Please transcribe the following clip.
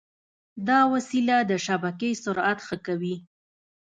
دا وسیله د شبکې سرعت ښه کوي.